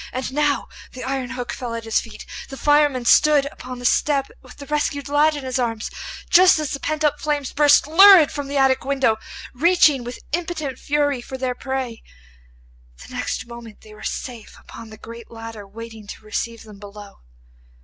And now the iron hook fell at his feet, and the fireman stood upon the step with the rescued lad in his arms, just as the pent up flames burst lurid from the attic window, reaching with impotent fury for their prey. The next moment they were safe upon the great ladder waiting to receive them below.